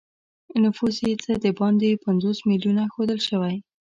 نفوس یې څه د باندې پنځوس میلیونه ښودل شوی.